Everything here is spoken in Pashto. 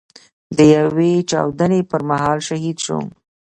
د يوې چاودنې پر مهال شهيد شو.